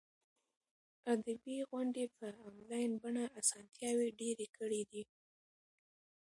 ادبي غونډې په انلاین بڼه اسانتیاوې ډېرې کړي دي.